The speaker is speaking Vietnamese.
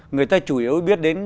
người ta chủ yếu biết đến